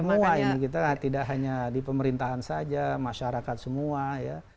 semua ini kita tidak hanya di pemerintahan saja masyarakat semua ya